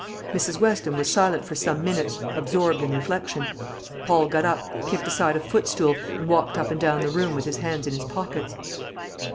Mrs. Weston was silent for some minutes, absorbed in reflection. Paul got up, kicked aside a footstool, and walked up and down the room with his hands in his pockets.